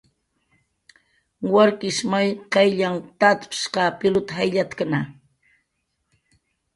Warkish may qaylllanh tatshq pilut jayllatkna